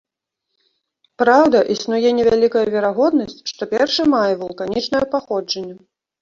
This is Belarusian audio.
Праўда, існуе невялікая верагоднасць, што першы мае вулканічнае паходжанне.